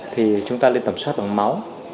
thì chúng ta nên tẩm soát bằng máu